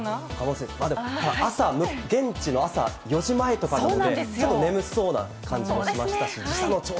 ただ、朝、現地の朝４時前とかなんで、ちょっと眠そうな感じもしましたね。